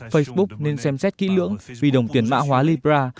facebook nên xem xét kỹ lưỡng vì đồng tiền mã hóa libra